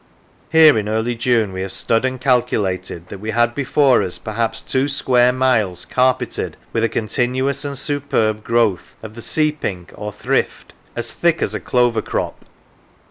Here in early June we have stood and calculated that we had before us perhaps two square miles carpeted with a continuous and superb growth of the sea pink or thrift, as thick as a clover crop.